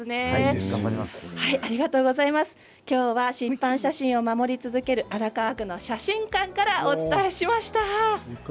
きょうは湿板写真を守り続ける荒川区の写真館からお伝えしました。